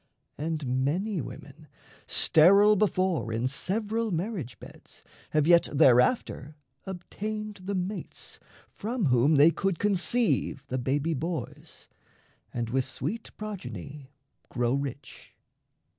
And many women, sterile before In several marriage beds, have yet thereafter Obtained the mates from whom they could conceive The baby boys, and with sweet progeny Grow rich.